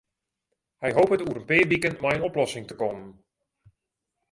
Hy hopet oer in pear wiken mei in oplossing te kommen.